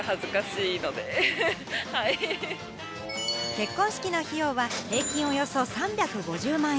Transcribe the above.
結婚式の費用は平均およそ３５０万円。